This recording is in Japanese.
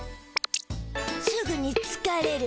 すぐにつかれる。